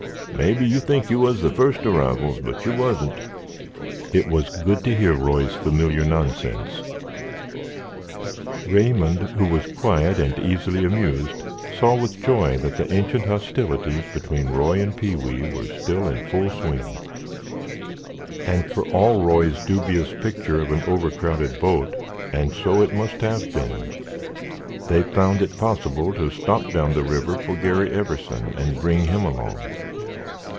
"Mebbe yer think yer wuz the fust arrivals, but yer wuzn't." It was good to hear Roy's familiar nonsense; Raymond, who was quiet and easily amused, saw with joy that the ancient hostilities between Roy and Pee wee were still in full swing; and for all Roy's dubious picture of an overcrowded boat (and so it must have been) they had found it possible to stop down the river for Garry Everson and bring him along.